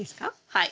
はい。